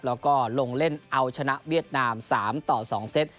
แล้วก็ลงเล่นเอาชนะเวียดนาม๓ต่อ๒เซต